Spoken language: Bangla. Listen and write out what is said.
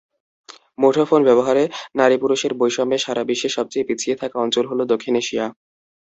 মুঠোফোন ব্যবহারে নারী-পুরুষের বৈষম্যে সারা বিশ্বে সবচেয়ে পিছিয়ে থাকা অঞ্চল হলো দক্ষিণ এশিয়া।